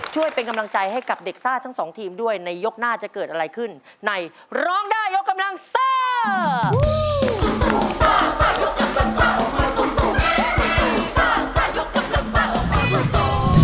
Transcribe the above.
ช่วยเป็นกำลังใจให้กับเด็กซ่าทั้งสองทีมด้วยในยกหน้าจะเกิดอะไรขึ้นในร้องได้ยกกำลังซ่า